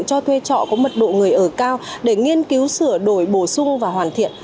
cho thuê trọ có mật độ người ở cao để nghiên cứu sửa đổi bổ sung và hoàn thiện